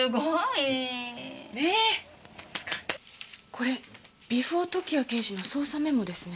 これビフォー時矢刑事の捜査メモですね。